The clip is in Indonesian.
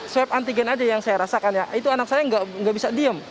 swab antigen aja yang saya rasakan ya itu anak saya nggak bisa diem